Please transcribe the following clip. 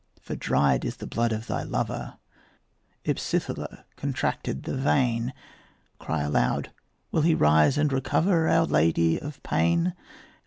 For dried is the blood of thy lover, Ipsithilla, contracted the vein; Cry aloud, "Will he rise and recover, Our Lady of Pain?"